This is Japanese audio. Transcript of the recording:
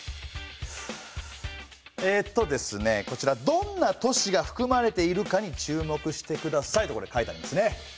「どんな都市が含まれているかに注目して下さい」とこれ書いてありますね。